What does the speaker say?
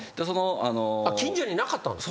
あっ近所になかったんですか？